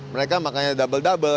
mereka makanya double double